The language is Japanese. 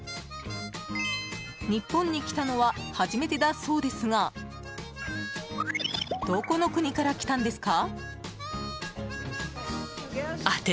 日本に来たのは初めてだそうですがどこの国から来たんですか？